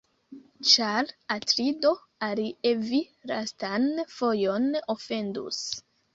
Ĉar, Atrido, alie vi lastan fojon ofendus.